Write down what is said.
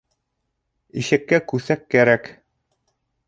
Ишәккә күҫәк кәрәк.